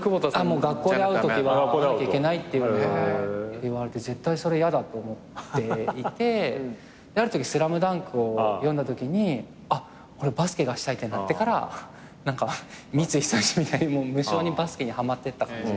もう学校で会うときは呼ばなきゃいけないっていうのはって言われて絶対それやだと思っていてあるとき『ＳＬＡＭＤＵＮＫ』を読んだときにあっバスケがしたいってなってから何か三井寿みたいに無性にバスケにはまってった感じでした。